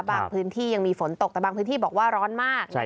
พื้นที่ยังมีฝนตกแต่บางพื้นที่บอกว่าร้อนมาก